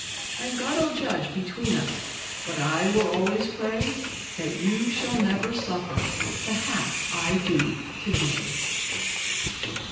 And God 'll judge between us; but I will al'ays pray That you shall never suffer the half I do to day.